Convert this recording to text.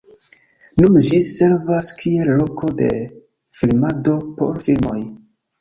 Nun ĝi servas kiel loko de filmado por filmoj.